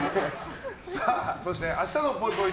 そして、明日のぽいぽい